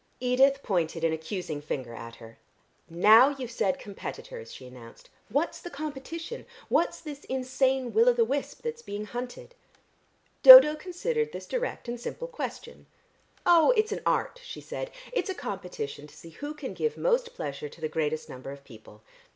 Edith pointed an accusing finger at her. "Now you've said competitors," she announced. "What's the competition? What's this insane will o' the wisp that's being hunted?" Dodo considered this direct and simple question. "Oh, it's an art," she said. "It's a competition to see who can give most pleasure to the greatest number of people.